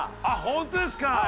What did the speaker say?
あっ本当ですか？